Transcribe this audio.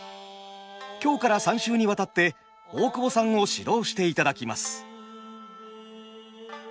今日から３週にわたって大久保さんを指導していただきます。